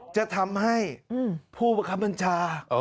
จะทำให้ผู้ประคับบัญชา